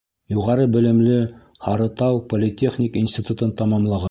Юғары белемле — Һарытау политехник институтын тамамлаған.